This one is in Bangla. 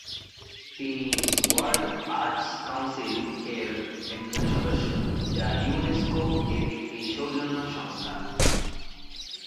তিনি 'ওয়াল্ড আর্টস কাউন্সিল'-এর একজন সদস্য, যা ইউনেস্কো-এর একটি সৌজন্য সংস্থা।